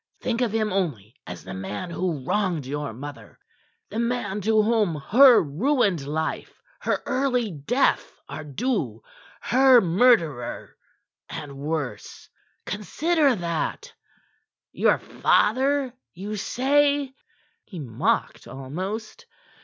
Think of him only as the man who wronged your mother; the man to whom her ruined life, her early death are due her murderer and worse. Consider that. Your father, you say!" He mocked almost.